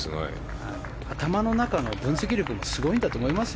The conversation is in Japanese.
頭の中の分析力もすごいんだと思いますよ